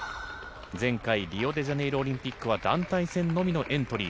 前回リオデジャネイロオリンピックは団体戦のみのエントリー。